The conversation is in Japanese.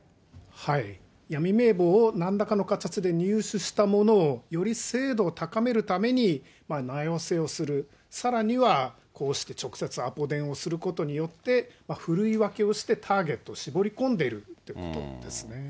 闇名簿をなんらかの形で入手したものを、より精度を高めるために、名寄せをする、さらにはこうして直接アポ電をすることによって、ふるい分けをして、ターゲットを絞り込んでいるということですね。